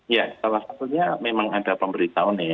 ya salah satunya memang ada pemberitahuan ya